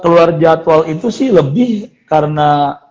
keluar jadwal itu sih lebih karena